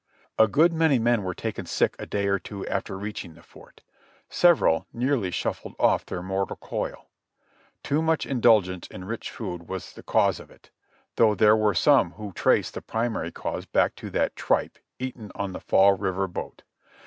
A good many men were taken sick a day or two after reaching the Fort ; several nearly shuffled off their mortal coil. Too much indulgence in rich food was the cause of it, though there were some who traced the primary cause back to "that tripe" eaten on the Fall River boat.